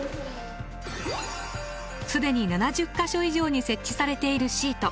既に７０か所以上に設置されているシート。